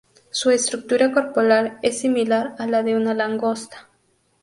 Su estructura corporal es similar a la de una langosta.